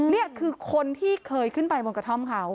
นี่คือคนที่เคยขึ้นไปบนกระท่อมเขา